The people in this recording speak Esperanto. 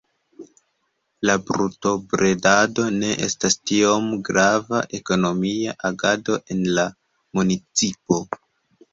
La brutobredado ne estas tiom grava ekonomia agado en la municipo.